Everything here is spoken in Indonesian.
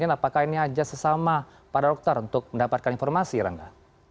apakah ini aja sesama para dokter untuk mendapatkan informasi rangga